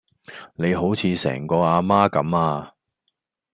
你好似成個啊媽咁呀